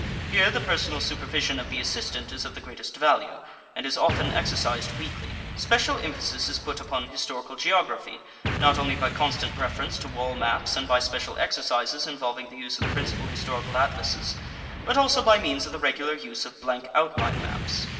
Here the personal supervision of the assistant is of the greatest value, and is often exercised weekly. Special emphasis is put upon historical geography, not only by constant reference to wall maps and by special exercises involving the use of the principal historical atlases, but also by means of the regular use of blank outline maps.